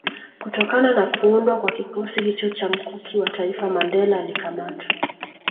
Kutokana na kuundwa kwa kikosi hicho cha Mkuki wa taifa Mandela alikamatwa